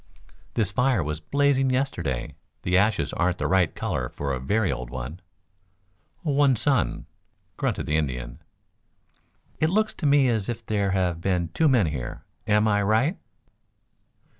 This fire was blazing yesterday. The ashes aren't the right color for a very old one." "One sun," grunted the Indian. "It looks to me as if there had been two men here. Am I right?"